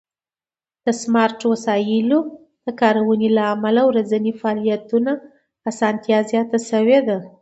د سمارټ وسایلو د کارونې له امله د ورځني فعالیتونو آسانتیا زیاته شوې ده.